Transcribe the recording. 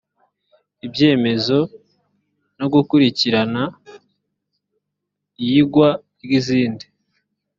ibyemezo no gukurikirana iyigwa ry izindi